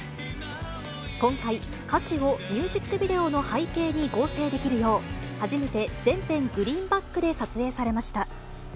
今回、歌詞をミュージックビデオの背景に合成できるよう、初めて全編グリーンバックで撮影されました。